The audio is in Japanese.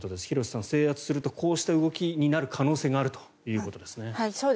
廣瀬さん、制圧するとこうした動きになる可能性があるということですね。